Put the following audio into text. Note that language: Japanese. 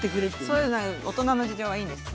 そういう大人の事情はいいんです。